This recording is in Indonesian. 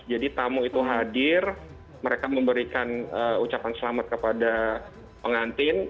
jadi tamu itu hadir mereka memberikan ucapan selamat kepada pengantin